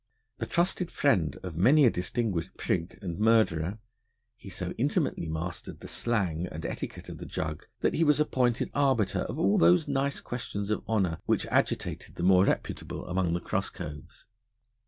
The trusted friend of many a distinguished prig and murderer, he so intimately mastered the slang and etiquette of the Jug, that he was appointed arbiter of all those nice questions of honour which agitated the more reputable among the cross coves.